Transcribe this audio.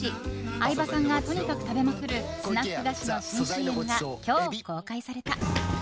相葉さんがとにかく食べまくるスナック菓子の新ＣＭが今日公開された。